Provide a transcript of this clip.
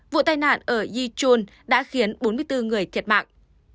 vụ tai nạn ở ychun đã khiến bốn mươi bốn người thiệt mạng